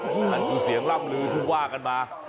คือเสียงร่ำลือทุกว่ากันมา